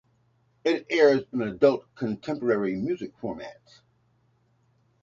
It airs an adult contemporary music format.